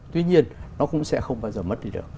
tuy nhiên nó cũng sẽ không bao giờ mất đi được